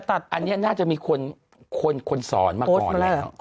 แต่อันนี้น่าจะมีคนสอนมาก่อน